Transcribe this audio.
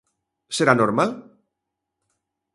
Será normal?